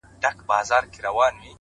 د مرگي راتلو ته; بې حده زیار باسه;